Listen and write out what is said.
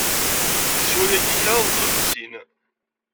Yeswa yagi kraḍt n teɣlusin.